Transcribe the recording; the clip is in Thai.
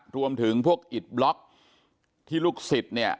รวมถึงพวกอิดบล็อกที่ลูกศิษย์เนี่ย